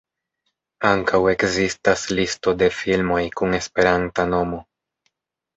Ankaŭ ekzistas Listo de Filmoj kun esperanta nomo.